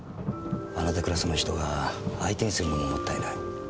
あなたクラスの人が相手にするのももったいない。